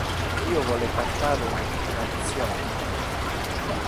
Io vole cantar un cantion.